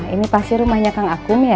ini pasti rumahnya kang akum ya